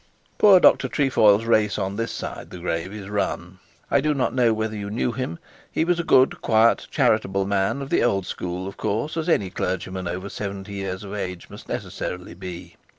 Poor Dr Trefoil's race on this side of the grave is run. I do not know whether you knew him. He was a good, quiet, charitable man, of the old school of course, as any clergyman over seventy years of age must necessarily be.